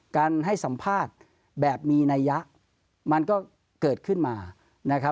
การให้สัมภาษณ์แบบมีนัยยะมันก็เกิดขึ้นมานะครับ